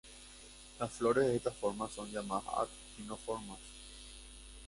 Las flores de esta forma son llamadas actinomorfas.